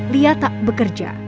lia tak bekerja